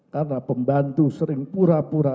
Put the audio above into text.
karena pembantu sering pura pura